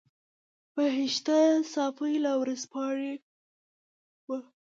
بهشته صافۍ له ورځپاڼې وه.